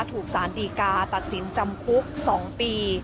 ถูกสารดีกาตัดสินจำคุก๒ปี